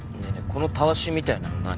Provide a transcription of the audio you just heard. このタワシみたいなの何？